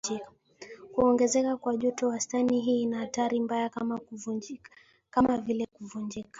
kuongezeka kwa joto wastani Hii ina athari mbaya kama vile kuvunjika